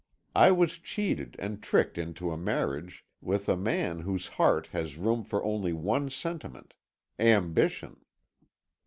I was cheated and tricked into a marriage with a man whose heart has room for only one sentiment ambition.